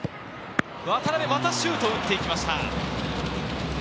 渡辺、またシュートを打っていきました。